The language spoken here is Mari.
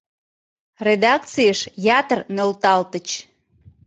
Редакцийыш ятыр нӧлталтыч.